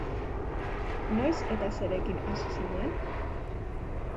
Noiz eta zerekin hasi zinen?